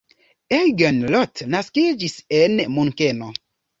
Eugen Roth naskiĝis en Munkeno.